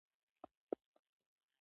ډاکټره څارنه کوي.